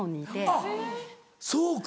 あっそうか。